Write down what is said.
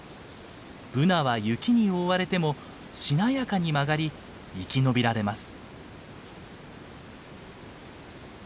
ブナは雪に覆われてもしなやかに曲がり生き延びられます。